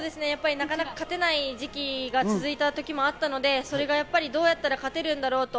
なかなか勝てない時期が続いた時もあったので、それがどうやったら勝てるんだろうと。